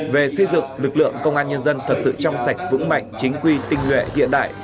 về xây dựng lực lượng công an nhân dân thật sự trong sạch vững mạnh chính quy tinh nguyện hiện đại